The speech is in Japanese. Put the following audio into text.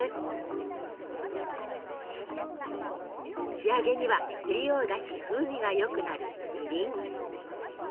仕上げには照りを出し風味がよくなるみりん。